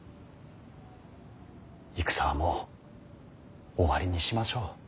戦はもう終わりにしましょう。